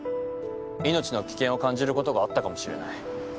命の危険を感じることがあったかもしれない。